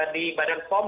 di badan pom